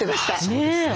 そうですね。